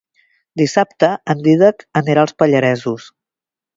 Dissabte en Dídac anirà als Pallaresos.